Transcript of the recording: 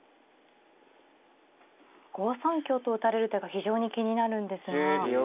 ５三香と打たれる手が非常に気になるんですが。